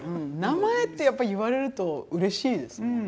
名前ってやっぱ言われるとうれしいですもんね。